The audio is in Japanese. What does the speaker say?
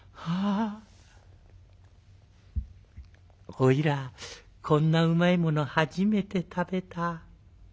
おいらこんなうまいもの初めて食べた。